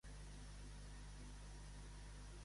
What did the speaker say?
El Congrés de Viena la va assignar al Papa.